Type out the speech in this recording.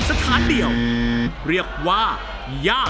ช่วยฝังดินหรือกว่า